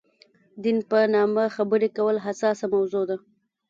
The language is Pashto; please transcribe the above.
دین په نامه خبرې کول حساسه موضوع ده.